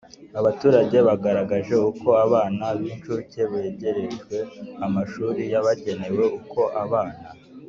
Abaturage bagaragaje uko abana b inshuke begerejwe amashuri yabagenewe uko abana